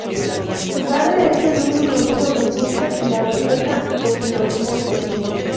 Su padre es el único hijo del duque y la duquesa de Gloucester.